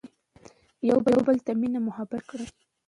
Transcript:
يو بل ته مينه محبت ور کړي